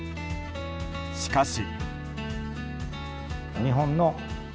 しかし。